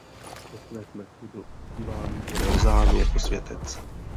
Po své smrti byl uctíván v Lausanne jako světec.